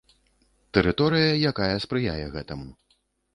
Тэрыторыя, якая спрыяе гэтаму.